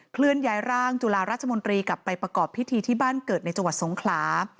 เคลื่อนย้ายร่างจุฬาราชมนตรีกลับไปประกอบพิธีที่บ้านเกิดในจังหวัดสงขลา